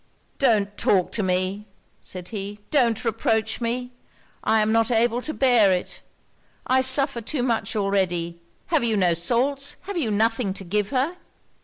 'Don't talk to me,' said he 'don't reproach me! I am not able to bear it! I suffer too much already! Have you no salts? Have you nothing to give her?'